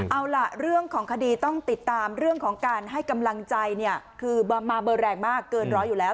เอาล่ะเรื่องของคดีต้องติดตามเรื่องของการให้กำลังใจเนี่ยคือมาเบอร์แรงมากเกินร้อยอยู่แล้ว